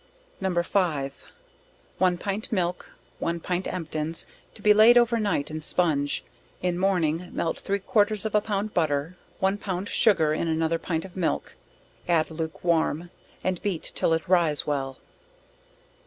No. 5. One pint milk, one pint emptins, to be laid over night in spunge, in morning, melt three quarters of a pound butter, one pound sugar, in another pint of milk, add luke warm, and beat till it rise well.